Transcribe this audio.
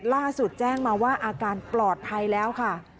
ล่าสุดแจ้งมาว่าอาการปลอดภัยแล้วค่ะ